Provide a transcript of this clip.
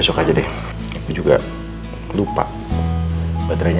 saya ingin anda menangani kasus saya dengan kebahagiaan anda